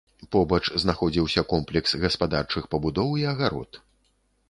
Побач знаходзіўся комплекс гаспадарчых пабудоў і агарод.